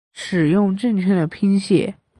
使用正确的拼写